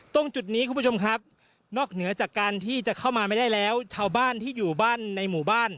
ตรงจุดนี้คุณผู้ชมครับนอกเหนือจากการที่จะเข้ามาไม่ได้แล้วชาวบ้านที่อยู่บ้านในหมู่บ้าน